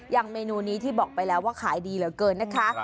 เมนูนี้ที่บอกไปแล้วว่าขายดีเหลือเกินนะคะ